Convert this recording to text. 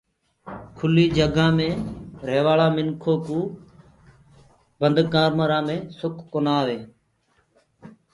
کُلي جگآ مينٚ ريهوآݪآ مِنکوُ بند ڪمرآ مي سڪون ڪونآ آئي